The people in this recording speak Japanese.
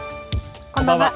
こんばんは。